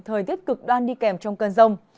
thời tiết cực đoan đi kèm trong cơn rông